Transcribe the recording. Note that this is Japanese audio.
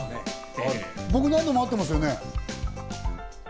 僕、何度も会ってますよね？